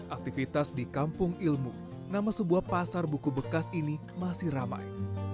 aktivitas di kampung ilmu nama sebuah pasar buku bekas ini masih ramai